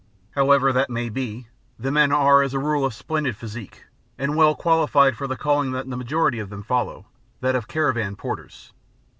However that may be, the men are as a rule of splendid physique and well qualified for the calling that the majority of them follow, that of caravan porters.